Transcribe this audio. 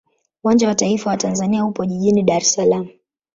Uwanja wa taifa wa Tanzania upo jijini Dar es Salaam.